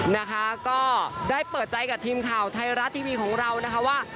นะคะก็ได้เปิดใจกับทีมข่าวไทยรัฐทีวีของเรานะคะว่า